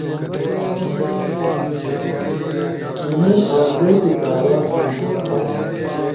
ای میل اپڈیٹ کارا سائن اپ تھا